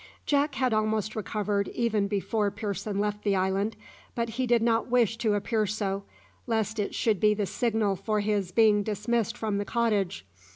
Jack had almost recovered even before Pearson left the island, but he did not wish to appear so, lest it should be the signal for his being dismissed from the cottage.